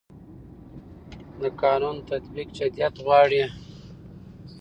د قانون تطبیق جديت غواړي